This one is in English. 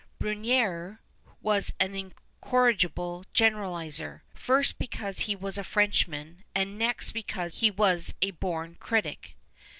Bruneti^re was an incorrigible generalizer, first because he was a Frenchman, and next because he was a born critic.